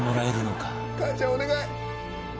かあちゃんお願い！